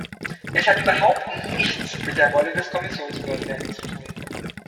Es hat überhaupt nichts mit der Rolle des Kommissionspräsidenten zu tun.